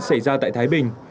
xảy ra tại thái bình